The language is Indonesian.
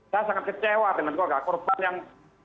saya sangat kecewa dengan kau agak korban yang